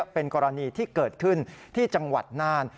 เป็นกรณีที่เกิดขึ้นที่จังหวัดน่าน